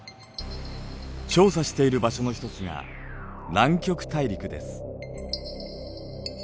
調査している場所の一つが南極大陸です。